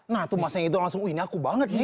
nah tuh masanya itu langsung oh ini aku banget nih